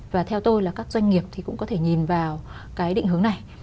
và theo tôi là các doanh nghiệp thì cũng có thể nhìn vào cái định hướng này